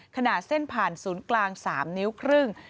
ขนาดเส้นผ่านศูนย์กลาง๓นิ้วครึ่ง